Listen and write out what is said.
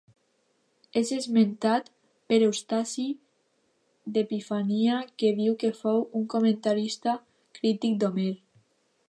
És esmentat per Eustaci d'Epifania, que diu que fou un comentarista crític d'Homer.